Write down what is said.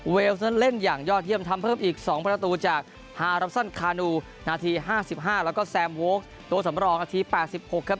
นั้นเล่นอย่างยอดเยี่ยมทำเพิ่มอีก๒ประตูจากฮารัปซันคานูนาที๕๕แล้วก็แซมโว๊คตัวสำรองนาที๘๖ครับ